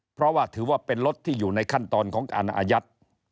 เพราะว่าถือว่าเป็นรถที่อยู่ในขั้นตอนของการอายัด